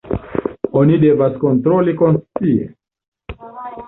Oni devas kontroli konscie.